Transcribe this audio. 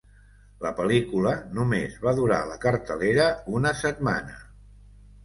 La pel·lícula només va durar a la cartellera una setmana.